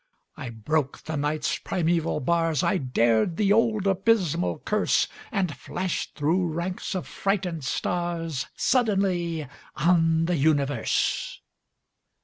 I broke the Night's primeval bars, I dared the old abysmal curse, And flashed through ranks of frightened stars Suddenly on the universe!